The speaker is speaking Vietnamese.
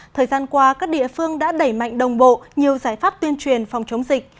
thời gian qua các địa phương đã đẩy mạnh đồng bộ nhiều giải pháp tuyên truyền phòng chống dịch